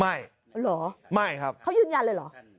เหรอไม่ครับเขายืนยันเลยเหรอ